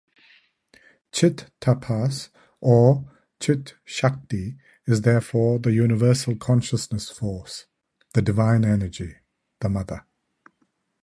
"Chit-Tapas" or "Chit-Shakti" is therefore the universal Consciousness-Force, the divine Energy; the Mother.